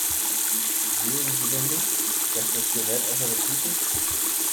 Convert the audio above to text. Sehen Sie denn nicht, dass das Gerät außer Betrieb ist?